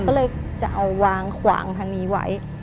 ก็เลยจะเอาวางขวางทางนี้ไว้